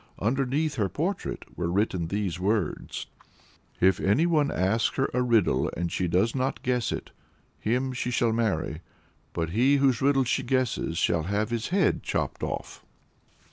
Underneath her portrait were written these words: "If any one asks her a riddle, and she does not guess it, him shall she marry; but he whose riddle she guesses shall have his head chopped off."